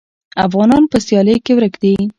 افغانان په سیالۍ کې ورک دي.